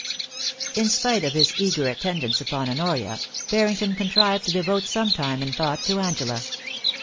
In spite of his eager attendance upon Honoria, Barrington contrived to devote some time and thought to Angela.